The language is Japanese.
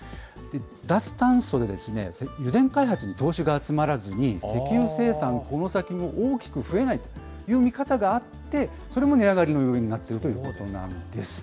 脱炭素で、油田開発に投資が集まらずに、石油生産、この先も大きく増えないという見方があって、それも値上がりの要因になっているということなんです。